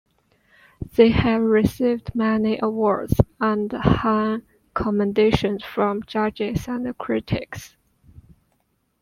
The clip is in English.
They have received many awards, and high commendations from judges and critics.